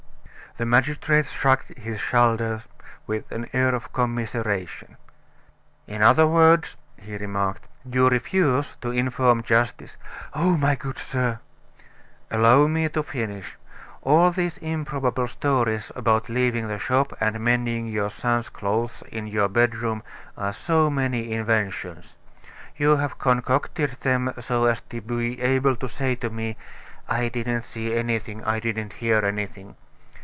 The magistrate shrugged his shoulders with an air of commiseration. "In other words," he remarked, "you refuse to inform justice " "Oh, my good sir!" "Allow me to finish. All these improbable stories about leaving the shop and mending your son's clothes in your bedroom are so many inventions. You have concocted them so as to be able to say to me: 'I didn't see anything; I didn't hear anything.